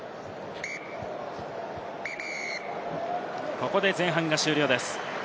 ここで前半が終了です。